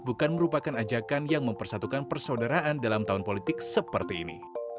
bukan merupakan ajakan yang mempersatukan persaudaraan dalam tahun politik seperti ini